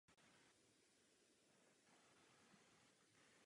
Věnovali se rybníkářství.